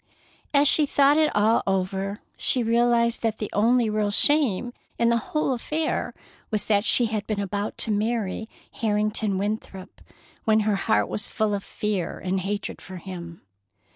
As she thought it all over, she realized that the only real shame in the whole affair was that she had been about to marry Harrington Winthrop when her heart was full of fear and hatred for him.